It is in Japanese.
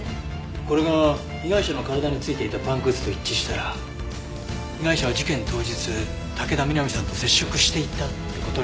これが被害者の体についていたパンくずと一致したら被害者は事件当日武田美波さんと接触していたって事になりますね。